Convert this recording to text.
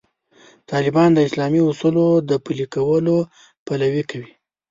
طالبان د اسلامي اصولو د پلي کولو پلوي کوي.